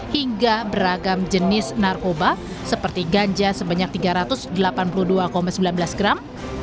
hingga beragam jenis narkoba seperti ganja sebanyak tiga ratus delapan puluh dua sembilan belas gram